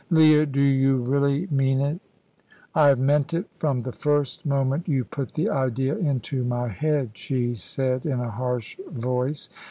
"Leah, do you really mean it?" "I have meant it from the first moment you put the idea into my head," she said in a harsh voice.